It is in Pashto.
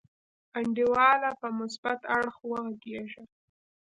انډیواله په مثبت اړخ وغګیږه.